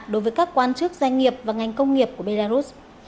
đối với các quan chức doanh nghiệp và ngành công nghiệp của belarus